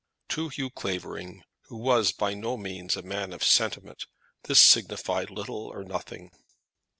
To Hugh Clavering, who was by no means a man of sentiment, this signified little or nothing.